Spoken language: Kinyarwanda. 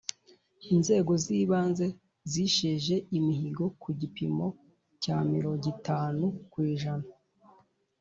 Inzego z ‘ibanze zisheje umihingo ku gipimo cya mirogitanu kwijana